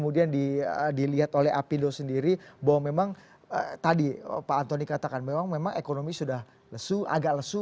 dan memang memang ekonomi sudah agak lesu